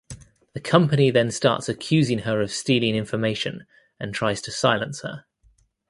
The company then starts accusing her of stealing information and tries to silence her.